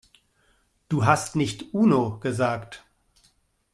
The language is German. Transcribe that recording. Du hast nicht Uno gesagt.